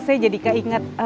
saya jadikan ingat